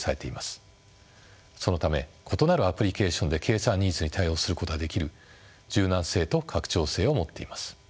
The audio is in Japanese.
そのため異なるアプリケーションで計算ニーズに対応することができる柔軟性と拡張性を持っています。